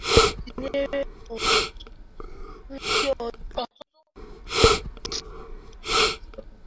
tinyere ọtụtụ ndị ọzọ e ji okwu ha agba izu.